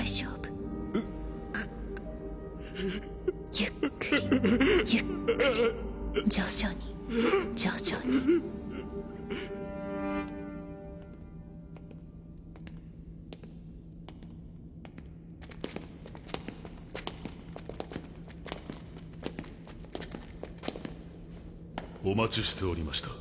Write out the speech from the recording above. ゆっくりゆっくり徐々に徐々にお待ちしておりました。